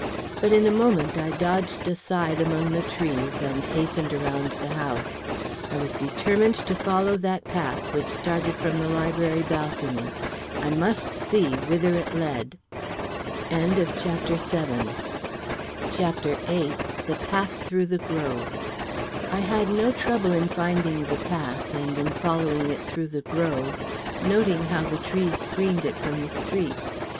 But in a moment, I dodged aside among the trees and hastened around the house. I was determined to follow that path which started from the library balcony I must see whither it led. CHAPTER VIII The Path through the Grove I had no trouble in finding the path and in following it through the grove, noting how the trees screened it from the street.